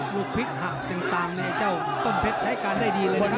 ลูกพลิกหักต่างเนี่ยเจ้าต้นเพชรใช้การได้ดีเลยนะครับ